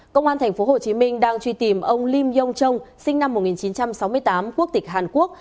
công an tp hcm đang truy tìm ông lim yong trông sinh năm một nghìn chín trăm sáu mươi tám quốc tịch hàn quốc